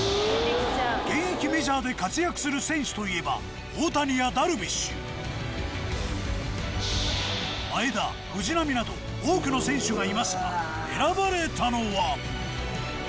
現役メジャーで活躍する選手といえば大谷やダルビッシュ前田藤浪など多くの選手がいますが選ばれたのは。